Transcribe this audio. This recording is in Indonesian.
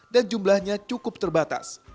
dan jumlahnya cukup terbaik